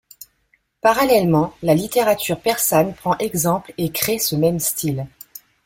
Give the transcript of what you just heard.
Parallèlement, la littérature persane prend exemple et crée ce même style.